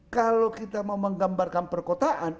kalau kita mau menggambarkan perkotaan